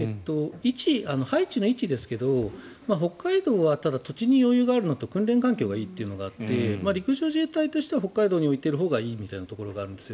配置の位置ですが北海道はただ、土地に余裕があるのと訓練環境がいいのがあって陸上自衛隊としては北海道に置いているほうがいいみたいなことはあるんです。